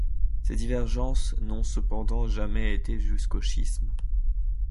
Ces divergences n'ont cependant jamais été jusqu'au schisme.